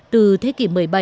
từ thế kỷ một mươi bảy